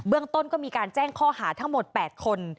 เรื่องต้นก็มีการแจ้งข้อหาทั้งหมด๘คน